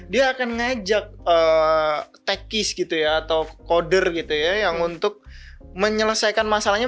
dia akan ngajak tekis gitu ya atau koder gitu ya yang untuk menyelesaikan masalahnya